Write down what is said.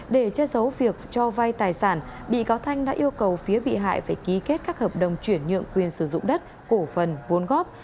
để che giấu việc cho vai tài sản bị cáo thanh đã yêu cầu phía bị hại phải ký kết các hợp đồng chuyển nhượng quyền sử dụng đất cổ phần vốn góp